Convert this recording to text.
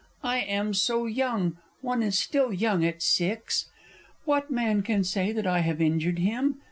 I am so young one is still young at six! What man can say that I have injured him?